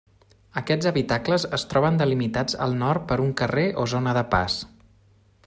Aquests habitacles es troben delimitats al nord per un carrer o zona de pas.